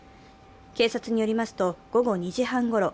警視庁によりますと、午後２時半ごろ、